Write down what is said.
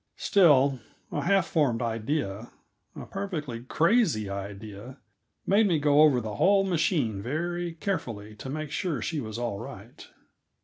Still, a half formed idea a perfectly crazy idea made me go over the whole machine very carefully to make sure she was all right.